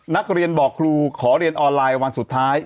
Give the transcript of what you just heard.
นักเรียนบอกครูขอเรียนออนไลน์วันสุดท้าย